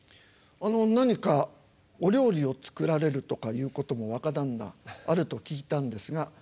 あの何かお料理を作られるとかいうことも若旦那あると聞いたんですが。